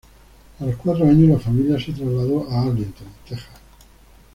A los cuatro años, la familia se trasladó a Arlington, Texas.